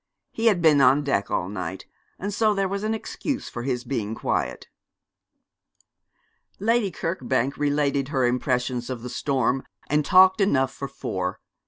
He had been on deck all night, and so there was an excuse for his being quiet. Lady Kirkbank related her impressions of the storm, and talked enough for four.